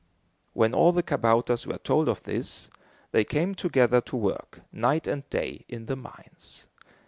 When all the kabouters were told of this, they came together to work, night and day, in the mines.